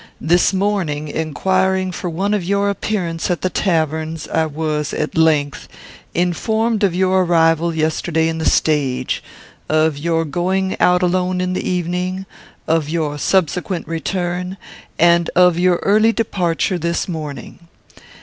This morning, inquiring for one of your appearance at the taverns, I was, at length, informed of your arrival yesterday in the stage; of your going out alone in the evening; of your subsequent return; and of your early departure this morning.